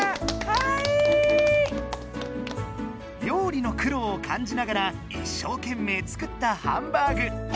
料理の苦労を感じながら一生懸命作ったハンバーグ。